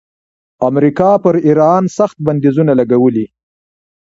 امریکا پر ایران سخت بندیزونه لګولي.